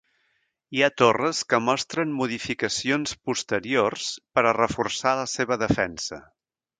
Hi ha torres que mostren modificacions posteriors per a reforçar la seva defensa.